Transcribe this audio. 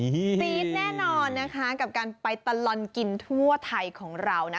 ซี๊ดแน่นอนนะคะกับการไปตลอดกินทั่วไทยของเรานะ